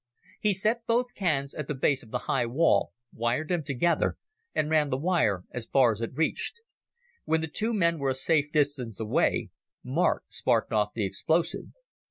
He set both cans at the base of the high wall, wired them together, and ran the wire as far as it reached. When the two men were a safe distance away, Mark sparked off the explosive.